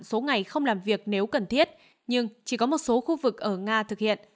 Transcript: số ngày không làm việc nếu cần thiết nhưng chỉ có một số khu vực ở nga thực hiện